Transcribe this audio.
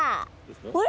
あれ？